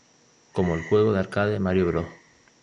Como el juego de arcade "Mario Bros.